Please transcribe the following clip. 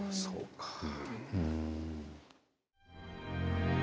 そうか。